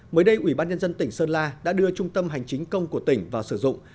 mới đây ủy ban nhân dân tỉnh sơn la đã đưa trung tâm hành chính công của tỉnh vào sử dụng